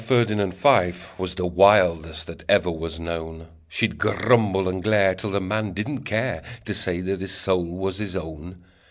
Ferdinand Fife Was the wildest that ever was known: She'd grumble and glare, Till the man didn't dare To say that his soul was his own.